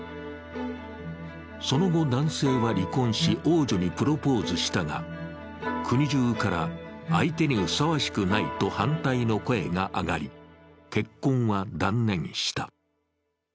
その後、男性は離婚し王女にプロポーズしたが国じゅうから、相手にふさわしくないと反対の声が上がり結婚は断念した。